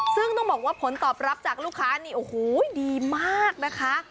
ซึ่งต้องบอกว่าผลตอบรับจากลูกค้านี่โอ้โหดีมากนะคะ